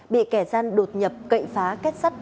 bị kẻ gian đột nhập cậy phá kết sắt